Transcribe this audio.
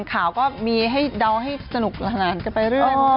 ข่าวก็มีให้เดาให้สนุกละนานกันไปเรื่อย